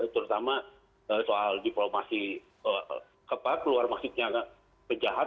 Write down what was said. terutama soal diplomasi kepak luar maksudnya kejahat